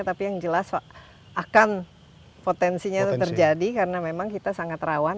tapi yang jelas akan potensinya terjadi karena memang kita sangat rawan